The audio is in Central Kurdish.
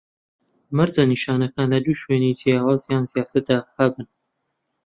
مەرجە نیشانەکان لە دوو شوێنی جیاواز یان زیاتر دا هەبن